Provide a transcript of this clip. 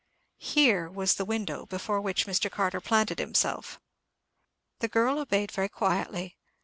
"Here," was the window, before which Mr. Carter planted himself. The girl obeyed very quietly.